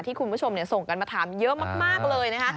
คุณผู้ชมส่งกันมาถามเยอะมากเลยนะคะ